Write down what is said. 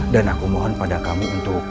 dan aku mohon pada kamu untuk